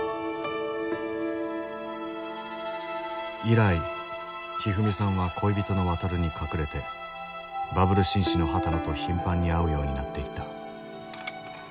以来ひふみさんは恋人のワタルに隠れてバブル紳士の波多野と頻繁に会うようになっていった